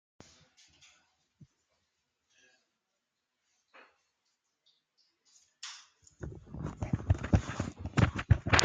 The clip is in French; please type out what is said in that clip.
Dans les années trente, il habite et travaille à Moscou en tant qu’écrivain professionnel.